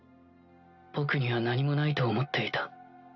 僕には何もないと思っていた。